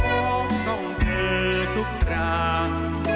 เธอมองของเธอทุกครั้ง